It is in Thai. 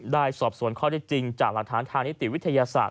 สอบสวนข้อได้จริงจากหลักฐานทางนิติวิทยาศาสต